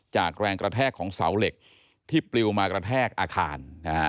แรงกระแทกของเสาเหล็กที่ปลิวมากระแทกอาคารนะฮะ